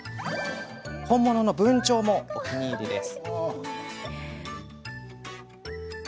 本物の文鳥もお気に入りです。